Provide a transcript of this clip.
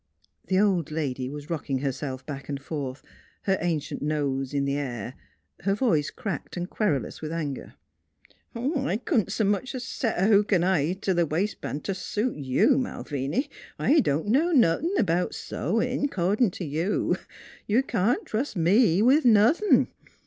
The old lady was rocking herself back and forth, her ancient nose in the air, her voice cracked and querulous with anger :" I couldn't set s' much 's a hook 'n' eye t' a wais' ban' t' suit; yow, Malviny; I don't know noth in' 'bout sewin', 'cordin' t' you. You can't trust me with nothin'.